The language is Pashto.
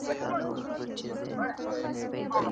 سپي په خپل منځ کي سره خوري، فقير تې سلا يوه وي.